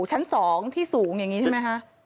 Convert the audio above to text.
ชั้น๒ที่สูงอย่างนี้ใช่ไหมคะ